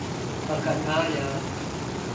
Fakat hala.